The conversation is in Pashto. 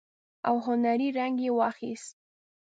او هنري رنګ يې واخيست.